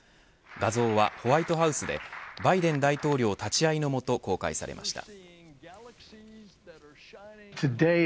画像はホワイトハウスでバイデン大統領立ち会いのもと公開されました。